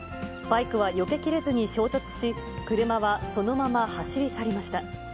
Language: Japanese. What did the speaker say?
バイクはよけきれずに衝突し、車はそのまま走り去りました。